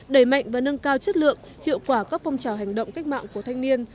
đẩy mạnh và nâng cao chất lượng hiệu quả các phong trào hành động cách mạng của thanh niên